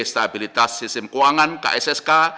stabilitas sistem keuangan kssk